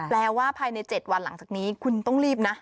แปลว่าภายใน๗วันหลังจากนี้คุณต้องรีบนะ